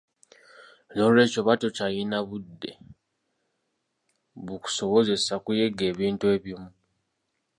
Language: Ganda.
Noolwekyo oba tokyalina budde bukusobozesa kuyiga ebintu ebimu.